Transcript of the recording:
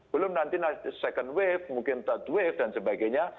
belum nanti second wave mungkin third wave dan sebagainya